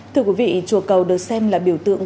thưa quý vị chùa cầu được xem là biểu tượng